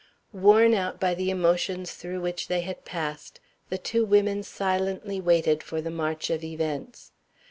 Worn out by the emotions through which they had passed, the two women silently waited for the march of events.